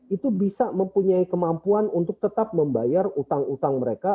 itu bisa mempunyai kemampuan untuk tetap membayar utang utang mereka